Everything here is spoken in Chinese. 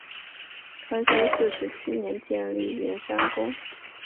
康熙四十七年建立圆山宫。